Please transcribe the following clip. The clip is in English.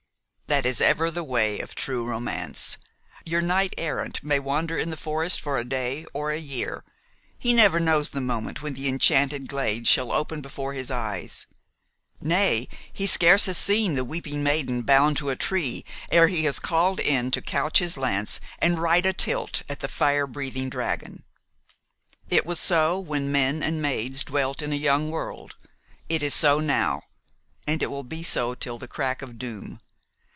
That is ever the way of true romance. Your knight errant may wander in the forest for a day or a year, he never knows the moment when the enchanted glade shall open before his eyes; nay, he scarce has seen the weeping maiden bound to a tree ere he is called in to couch his lance and ride a tilt at the fire breathing dragon. It was so when men and maids dwelt in a young world; it is so now; and it will be so till the crack of doom.